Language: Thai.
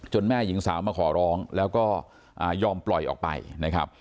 แม่หญิงสาวมาขอร้องแล้วก็ยอมปล่อยออกไปนะครับ